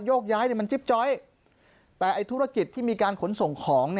ยกย้ายมันจิ๊บจ้อยแต่ธุรกิจที่มีการขนส่งของ